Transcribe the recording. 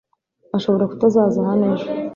Ashobora kutazaza hano ejo .